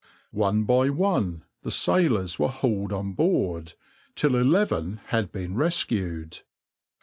One by one the sailors were hauled on board, till eleven had been rescued.